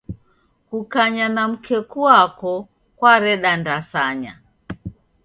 Kukanya na mkeku wako kwareda ndasanya.